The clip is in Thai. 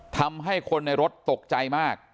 ทำให้คนในรถตกใจมาก